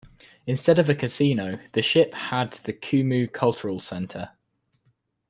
Instead of a casino, the ship had the Kumu Cultural Center.